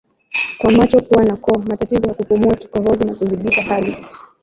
kwa macho pua na koo matatizo ya kupumua kikohozi na kuzidisha hali